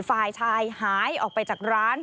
ฝ่ายชายหายออกไปจากร้าน